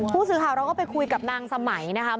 ผู้สื่อข่าวเราก็ไปคุยกับนางสมัยนะคะ